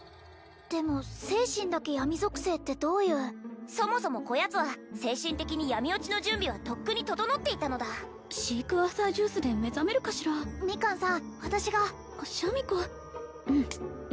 でも精神だけ闇属性ってどういうそもそもこやつは精神的に闇堕ちの準備はとっくに整っていたのだシークワーサージュースで目覚めるかしらミカンさん私がシャミ子うんじゃあ私が桃を支えるから